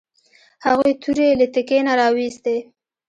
هغوی تورې له تیکي نه راویوستې.